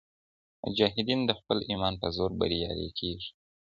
مجاهدین د خپل ایمان په زور بریالي کېږي.